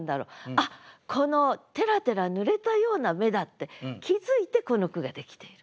「あっこのてらてら濡れたような目だ！」って気づいてこの句ができている。